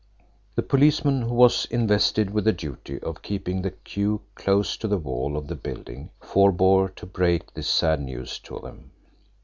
The policeman who was invested with the duty of keeping the queue close to the wall of the building forbore to break this sad news to them.